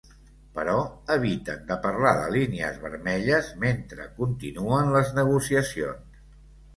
Però eviten de parlar de línies vermelles mentre continuen les negociacions.